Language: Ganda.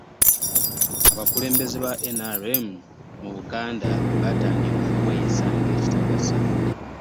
Abakulembeze ba NRM mu Buganda baatandika okweyisa ng'ekitagasa.